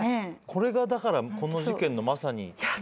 これがだからこの事件のまさに。